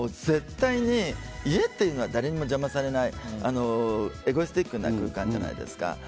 絶対に家っていうのは誰にも邪魔されないエゴスティックな空間じゃないですか。